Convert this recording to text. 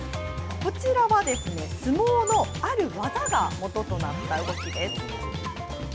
こちらはですね、相撲のある技がもととなった動きです。